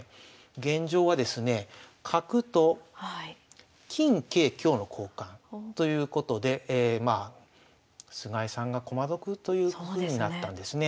現状はですね角と金桂香の交換ということで菅井さんが駒得というふうになったんですね。